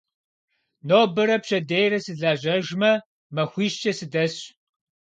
Нобэрэ пщэдейрэ сылэжьэжмэ, махуищкӏэ сыдэсщ.